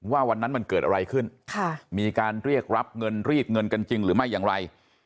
วันนั้นมันเกิดอะไรขึ้นมีการเรียกรับเงินรีดเงินกันจริงหรือไม่อย่างไร